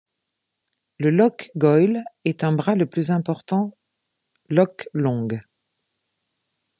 Le loch Goil est un bras du plus important loch Long.